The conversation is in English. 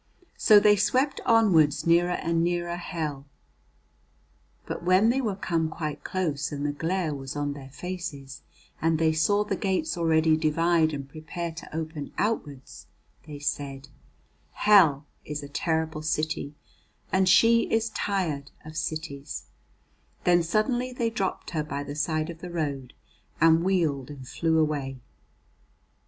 So they swept onwards nearer and nearer Hell. But when they were come quite close and the glare was on their faces, and they saw the gates already divide and prepare to open outwards, they said: 'Hell is a terrible city, and she is tired of cities;' then suddenly they dropped her by the side of the road, and wheeled and flew away.